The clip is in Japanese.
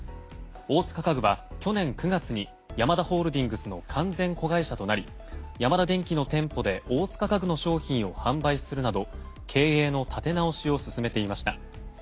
大塚家具は去年９月にヤマダホールディングスの完全子会社となりヤマダ電機の店舗で大塚家具の商品を販売するなど経営の立て直しを進めていました。